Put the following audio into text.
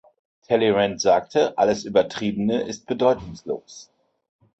Talleyrand sagte, alles Übertriebene ist bedeutungslos.